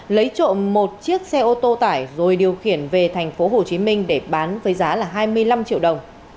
lấy trộm một chiếc xe ô tô tải rồi điều khiển về thành phố hồ chí minh để bán với giá hai mươi năm triệu đồng